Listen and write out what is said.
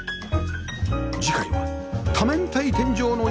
次回は多面体天井の家